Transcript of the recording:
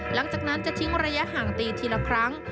หลังจากนั้นจะทิ้งระยะห่างตีทีละครั้ง